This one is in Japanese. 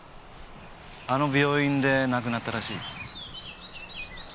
あの病院で亡くなったらしい。